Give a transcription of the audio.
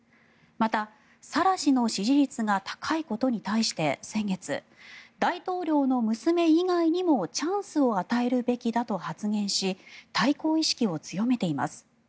また、サラ氏の支持率が高いことに対して先月大統領の娘以外にもチャンスを与えるべきだと発言し対抗意識を強めています。